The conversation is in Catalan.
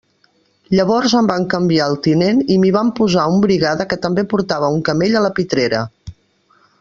Llavors em van canviar el tinent i m'hi van posar un brigada que també portava un camell a la pitrera.